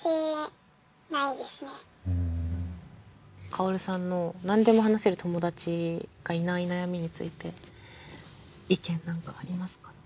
カオルさんの何でも話せる友達がいない悩みについて意見何かありますか？